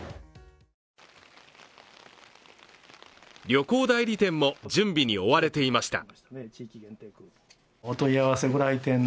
旅行代理店も準備に追われていました。